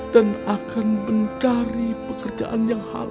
dan akan mencari pekerjaan yang halal